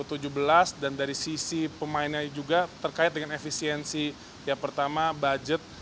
u tujuh belas dan dari sisi pemainnya juga terkait dengan efisiensi yang pertama budget